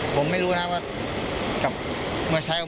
ผมไม่รู้นะครับว่ากับมวยสายครับ